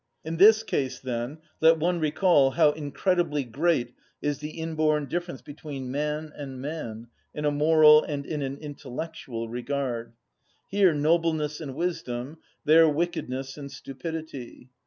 In this case, then, let one recall how incredibly great is the inborn difference between man and man, in a moral and in an intellectual regard. Here nobleness and wisdom; there wickedness and stupidity.